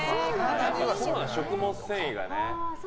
食物繊維がね。